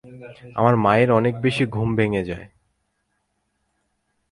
আমার মায়ের অনেক বেশি ঘুম ভেঙ্গে যায়।